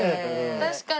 確かに。